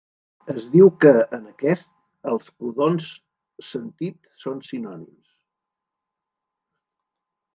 Es diu que, en aquest, els codons sentit són sinònims.